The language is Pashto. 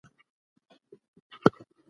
د مینې څرګندول د زړونو ناروغۍ کموي.